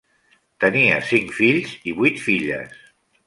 Tenia cinc fills i vuit filles.